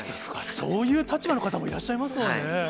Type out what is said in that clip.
そういう立場の方もいらっしゃいますもんね。